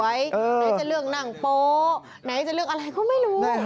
ไหนจะเลือกนั่งโป๊ไหนจะเลือกอะไรก็ไม่รู้